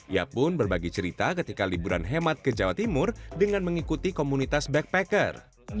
ia pun berbagi cerita ketika liburan hemat ke jawa timur dengan mengikuti komunitas backpacker